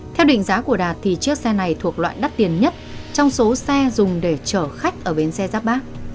theo định giá của đạt thì chiếc xe này thuộc loại đắt tiền nhất trong số xe dùng để chở khách ở bến xe giáp bát